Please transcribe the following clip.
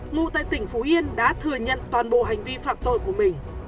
ngụ tại tỉnh phú yên đã thừa nhận toàn bộ hành vi phạm tội của mình